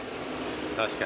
確かに。